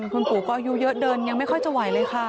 คุณปู่ก็อายุเยอะเดินยังไม่ค่อยจะไหวเลยค่ะ